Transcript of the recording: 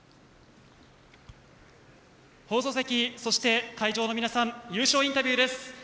放送席、そして会場の皆さん優勝インタビューです。